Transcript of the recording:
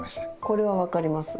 これは分かります。